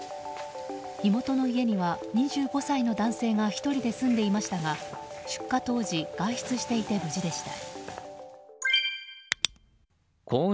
火元の家には、２５歳の男性が１人で住んでいましたが出火当時、外出していて無事でした。